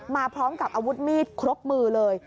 มาพร้อมกับอาวุธมีดครบมือเลย